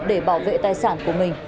để bảo vệ tài sản của mình